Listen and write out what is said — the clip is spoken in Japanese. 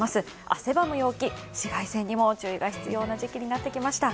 汗ばむ陽気、紫外線にも注意が必要な時期になってきました。